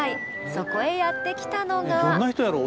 そこへやって来たのが。